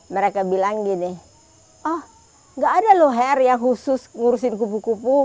mereka bilang gini oh gak ada loh hair yang khusus ngurusin kupu kupu